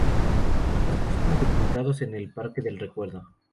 Sus restos fueron sepultados en el Parque del Recuerdo.